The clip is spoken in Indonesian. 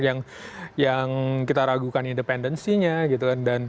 yang kita ragukan independensinya